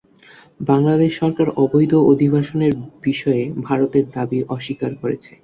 বাংলাদেশ সরকার অবৈধ অভিবাসনের বিষয়ে ভারতের দাবি অস্বীকার করেছে।